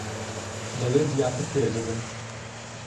دەبێت زیاتر فێر ببن.